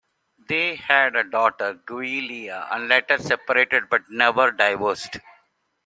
They had a daughter, Giulia, and later separated but never divorced.